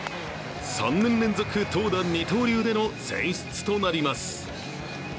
３年連続、投打二刀流での選出となります。